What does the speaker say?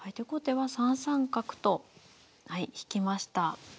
で後手は３三角と引きました。